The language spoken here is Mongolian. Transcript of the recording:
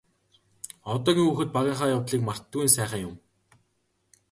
Одоогийн хүүхэд багынхаа явдлыг мартдаггүй нь сайхан юм.